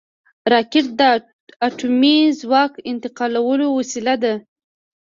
راکټ د اټومي ځواک انتقالولو وسیله ده